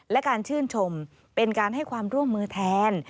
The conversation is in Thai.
และการชื่นชมเป็นการให้ความร่วมมือแทน